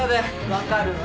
分かるわ。